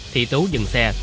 thị tú dừng xe